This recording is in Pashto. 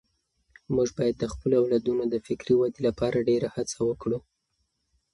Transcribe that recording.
موږ باید د خپلو اولادونو د فکري ودې لپاره ډېره هڅه وکړو.